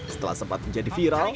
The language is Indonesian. setelah sempat menjadi viral